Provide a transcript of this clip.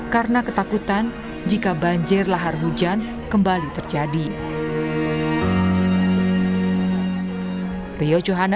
karena ketakutan jika banjir lahar hujan kembali terjadi